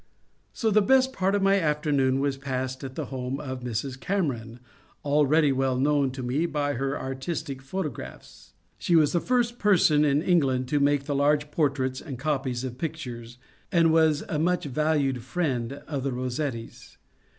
So the best part of my afternoon was passed at the house of Mrs. Cameron, already well known to me by her artistic pho tographs. She was the first person in England to make the large portraits and copies of pictures, and was a much valued friend of the Rossettis.